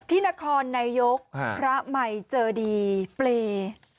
นครนายกพระใหม่เจอดีเปรย์